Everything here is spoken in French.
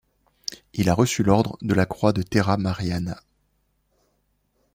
Il a reçu l'Ordre de la Croix de Terra Mariana.